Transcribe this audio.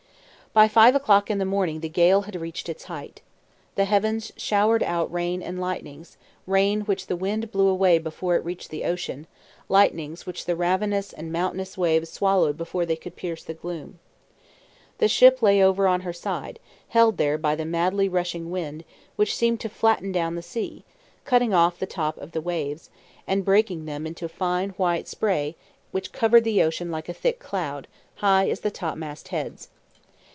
By five o'clock in the morning the gale had reached its height. The heavens showered out rain and lightnings rain which the wind blew away before it reached the ocean, lightnings which the ravenous and mountainous waves swallowed before they could pierce the gloom. The ship lay over on her side, held there by the madly rushing wind, which seemed to flatten down the sea, cutting off the top of the waves, and breaking them into fine white spray which covered the ocean like a thick cloud, as high as the topmast heads.